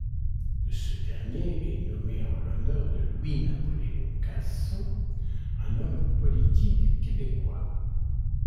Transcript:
Ce dernier est nommé en l'honneur de Louis-Napoléon Casault, un homme politique québécois.